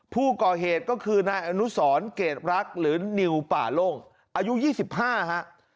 ผู้ก่อเหตุก็คือนายอนุสรเกรดรักหรือนิวป่าโล่งอายุ๒๕ฮะ